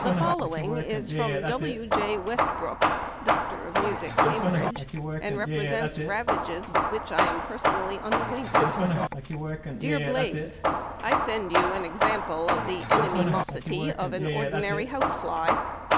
The following is from W. J. Westbrook, Mus. Doe., Cantab., and represents ravages with which I am personally unacquainted: "Dear Blades, I send you an example of the 'enemy' mosity of an ordinary housefly.